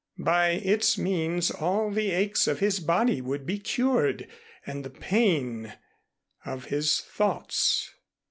By its means all the aches of his body would be cured and the pain of his thoughts.